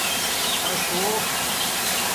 پاݽݸ